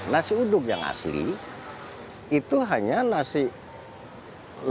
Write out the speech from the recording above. nasi uduk yang asli itu hanya nasi goreng